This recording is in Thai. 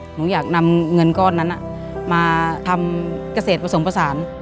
หนูอยากนำเงินก้อนนั้นมาทำเกษตรผสมผสาน